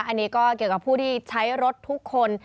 อันนี้ก็เกี่ยวกับผู้ที่ใช้รถทุกคน